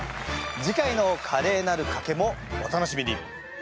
次回の「カレーなる賭け」もお楽しみに。